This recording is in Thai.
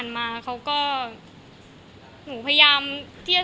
เราเป็นเครื่องสบายประโยชน์